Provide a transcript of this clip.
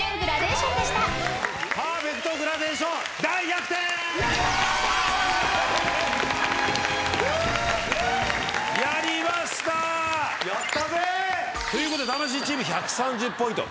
やったぜ！ということで魂チーム１３０ポイント。